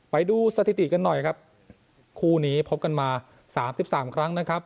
ไปดูสถิติกันหน่อยครับคู่นี้พบกันมาสามสิบสามครั้งนะครับ